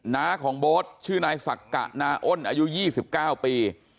น้าของโบ๊ทชื่อนายสักกะนาอ้นอายุ๒๙ปี